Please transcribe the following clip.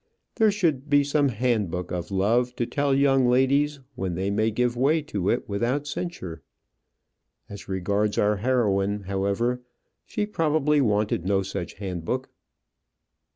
There should be some handbook of love, to tell young ladies when they may give way to it without censure. As regards our heroine, however, she probably wanted no such handbook.